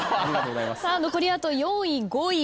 残りあと４位５位。